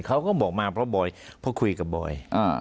เขาก็บอกมาเพราะคุยกับบอย